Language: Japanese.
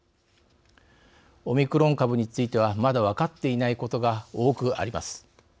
オミクロン株についてはまだ分かっていないことが多くあります。